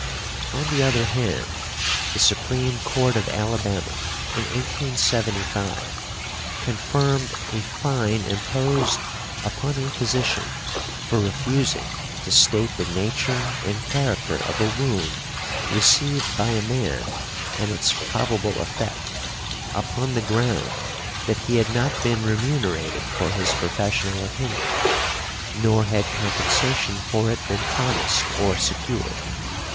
On the other hand, the Supreme Court of Alabama, in 1875 , confirmed a fine imposed upon a physician for refusing to state the nature and character of a wound received by a man and its probable effect, upon the ground that he had not been remunerated for his professional opinion, nor had compensation for it been promised or secured.